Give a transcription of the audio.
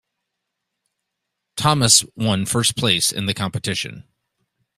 Thomas one first place in the competition.